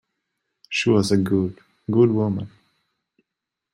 She was a good, good woman!